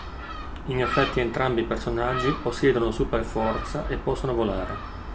In effetti entrambi i personaggi possiedono superforza e possono volare.